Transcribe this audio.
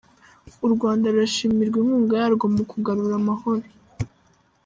U Rwanda rurashimirwa inkunga yarwo mu kugarura amahoro